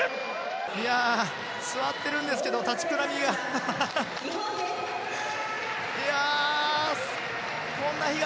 いやー、座ってるんですけど、立ちくらみが。